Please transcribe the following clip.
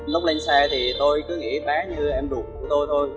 lúc lên xe thì tôi cứ nghĩ bé như em ruột của tôi thôi